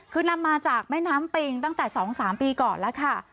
คือนำมาจากแม่น้ำปิงตั้งแต่๒๓ปีก่อนแล้วค่ะ